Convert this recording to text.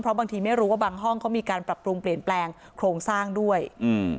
บางทีไม่รู้ว่าบางห้องเขามีการปรับปรุงเปลี่ยนแปลงโครงสร้างด้วยอืม